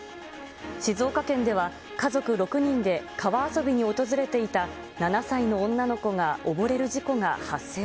静岡県では家族６人で川遊びに訪れていた７歳の女の子が溺れる事故が発生。